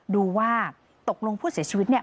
ดูว่าตกลงผู้เสียชีวิตเนี่ย